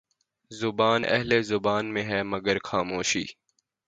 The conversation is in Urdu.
زبانِ اہلِ زباں میں ہے مرگِ خاموشی